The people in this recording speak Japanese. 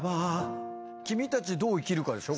『君たちはどう生きるか』でしょ。